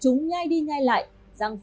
chúng nhai đi nhai lại rằng phong chống tham nhũ